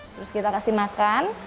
terus kita kasih makan